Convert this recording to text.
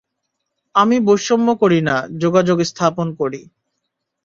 আমি বৈষম্য করি না, যোগাযোগ স্থাপন করি।